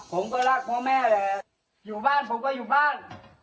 ผมก็รักพ่อแม่แหละอยู่บ้านผมก็อยู่บ้าน